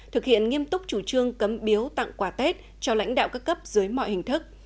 thực hiện nghiêm túc chủ trương cấm biếu tặng quà tết cho lãnh đạo các cấp dưới mọi hình thức